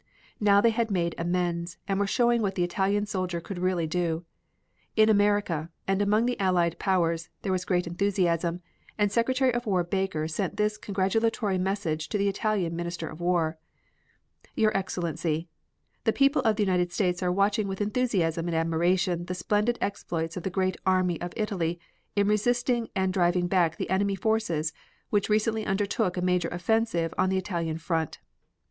Now they had made amends and were showing what the Italian soldier could really do. In America, and among the Allied Powers, there was great enthusiasm, and Secretary of War Baker sent this congratulatory message to the Italian Minister of War: Your Excellency: The people of the United States are watching with enthusiasm and admiration the splendid exploits of the great army of Italy in resisting and driving back the enemy forces which recently undertook a major offensive on the Italian front.